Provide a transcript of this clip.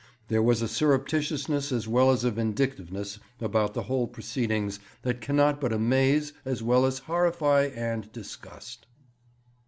There was a surreptitiousness as well as a vindictiveness about the whole proceedings that cannot but amaze, as well as horrify and disgust.'